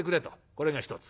これが一つ。